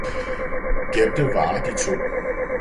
gjemte vare de to.